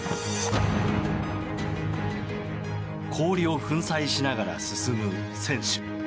氷を粉砕しながら進む船首。